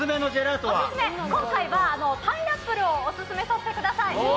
今回はパイナップルをオススメさせてください。